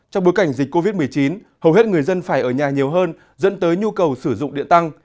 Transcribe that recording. trong bối cảnh dịch covid một mươi chín hầu hết người dân phải ở nhà nhiều hơn dẫn tới nhu cầu sử dụng điện tăng